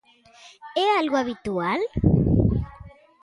É algo habitual?